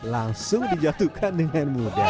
langsung dijatuhkan dengan mudah